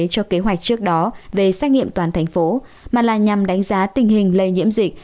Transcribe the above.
cho kế hoạch trước đó về xét nghiệm toàn thành phố mà là nhằm đánh giá tình hình lây nhiễm dịch